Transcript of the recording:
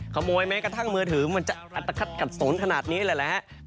ขโมยแม้กระทั่งมือถือมันจะอัตภัทรกัดสนขนาดนี้แหละ